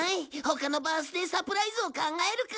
他のバースデーサプライズを考えるか。